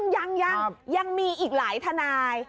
ยังยังมีอีกหลายทนาย